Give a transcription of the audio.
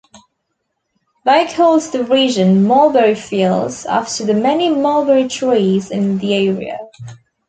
They called the region "Mulberry Fields", after the many mulberry trees in the area.